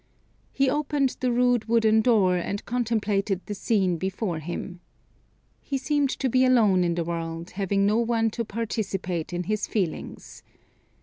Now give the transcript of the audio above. He opened the rude wooden door, and contemplated the scene before him. He seemed to be alone in the world, having no one to participate in his feelings.